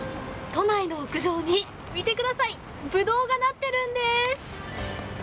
都内の屋上に、見てください、ぶどうがなっているんです。